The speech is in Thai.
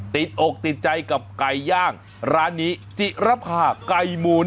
ติดอกติดใจกับไก่ย่างร้านนี้จิรภาไก่มูล